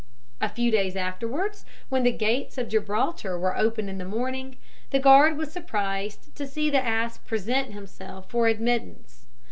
A few days afterwards, when the gates of Gibraltar were opened in the morning, the guard was surprised to see the ass present himself for admittance.